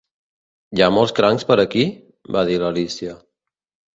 "Hi ha molts crancs per aquí?" va dir l'Alícia.